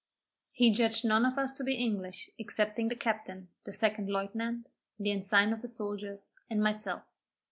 He judged none of us to be English excepting the captain, the second lieutenant, the ensign of the soldiers, and myself.